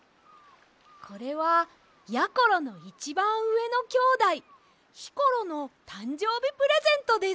これはやころのいちばんうえのきょうだいひころのたんじょうびプレゼントです。